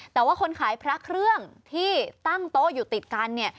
แต่ว่าคนขายพระเครื่องที่ตั้งโต๊ะอยู่ติดกันเนี่ย